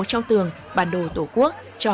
trao tường bản đồ tổ quốc cho